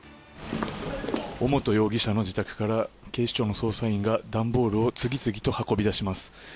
尾本容疑者の自宅から警視庁の捜査員が段ボールを次々と運び出します。